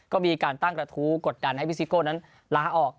ก็มีการตั้งกระทู้กดดันให้พี่ซิโก้นั้นลาออก